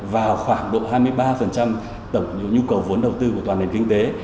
vào khoảng độ hai mươi ba tổng nhu cầu vốn đầu tư của toàn nền kinh tế